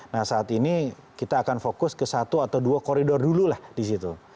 nah saat ini kita akan fokus ke satu atau dua koridor dulu lah di situ